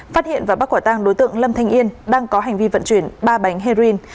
phát hiện và bắt quả tăng đối tượng lâm thanh yên đang có hành vi vận chuyển ba bánh heroin